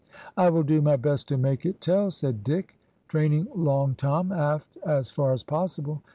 "I will do my best to make it tell," said Dick; training Long Tom aft as far as possible.